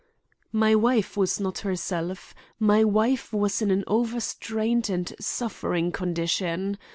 "My wife was not herself. My wife was in an over strained and suffering condition.